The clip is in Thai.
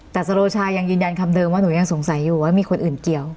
แต่สโรชายังยืนยันคำเดิมว่าหนูยังสงสัยอยู่ว่ามีคนอื่นเกี่ยว